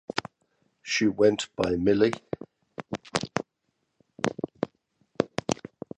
She went by Millie.